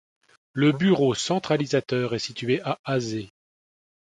Le bureau centralisateur est situé à Azé.